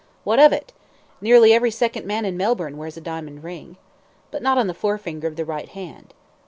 "What of that? Nearly every second man in Melbourne wears a diamond ring?" "But not on the forefinger of the right hand."